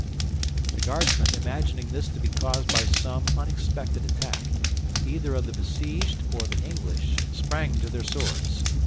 The Guardsmen, imagining this to be caused by some unexpected attack, either of the besieged or the English, sprang to their swords.